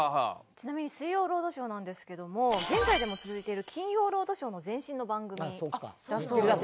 ちなみに『水曜ロードショー』なんですけども現在でも続いている『金曜ロードショー』の前身の番組だそうで。